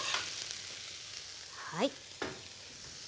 はい。